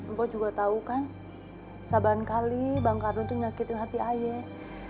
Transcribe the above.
mpo juga tau kan saban kali bang kadun tuh nyakitin hati ayah